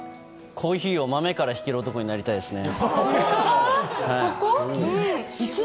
コーヒーを豆からひける男になりたいですね。